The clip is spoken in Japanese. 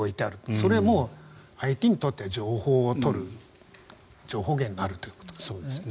それも相手にとっては情報を取る情報源になるということですね。